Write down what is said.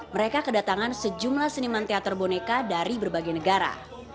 mereka kedatangan sejumlah seniman teater boneka dari berbagai negara